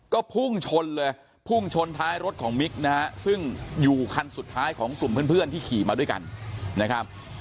ก็พุ่งชนเลยพุ่งชนท้ายรถของมิกนะฮะซึ่งอยู่คันสุดท้ายของกลุ่มเพื่อนที่ขี่มาด้วยกันนะครับ